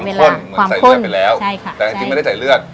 ข้นเหมือนใส่เลือดไปแล้วใช่ค่ะแต่จริงไม่ได้ใส่เลือด